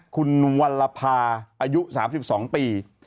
คุณวัลภาอายุ๓๒ปี